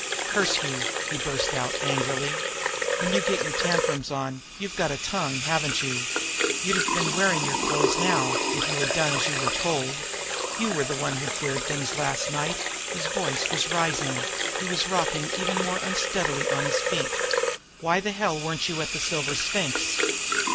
"Curse you!" he burst out angrily. "When you get your tantrums on, you've got a tongue, haven't you! You'd have been wearing your clothes now, if you'd have done as you were told. You're the one that queered things last night." His voice was rising; he was rocking even more unsteadily upon his feet. "Why in hell weren't you at the Silver Sphinx?"